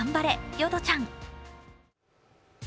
ヨドちゃん。